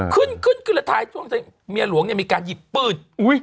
ขึ้นมีเหลืองมีการหยิบปืน